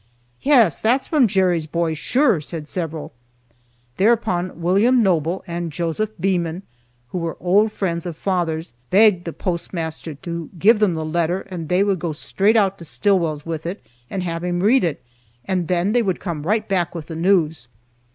"Yes, that's from Jerry's boy, sure," said several. Thereupon William Noble and Joseph Beeman, who were old friends of father's, begged the postmaster to "give them the letter, and they would go straight out to Stillwell's with it, have him read it, and then they would come right back with the news."